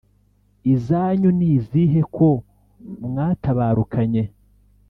izanyu ni izihe ko mwatabarukanye